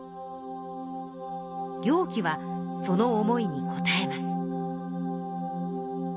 行基はその思いにこたえます。